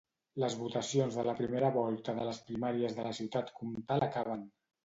Les votacions de la primera volta de les primàries de la ciutat comtal acaben.